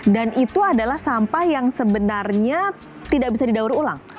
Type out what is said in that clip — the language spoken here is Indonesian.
dan itu adalah sampah yang sebenarnya tidak bisa didaur ulang